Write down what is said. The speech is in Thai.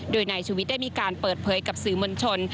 โดยนายชุวิตได้มีการเปิดเผยกับสื่อมวลชน